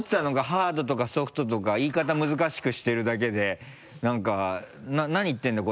「ハード」とか「ソフト」とか言い方難しくしてるだけで何か「何言ってるんだ？